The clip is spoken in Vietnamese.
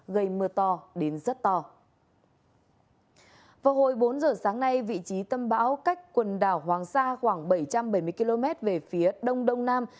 vào hồi bốn giờ sáng nay vị trí tâm bão cách quần đảo hoàng sa khoảng bảy trăm bảy mươi km về phía đông đông nam